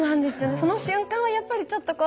その瞬間はやっぱりちょっとこう。